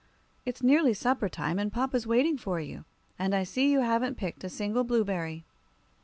"It's nearly supper time, and papa's waiting for you. And I see you haven't picked a single blueberry."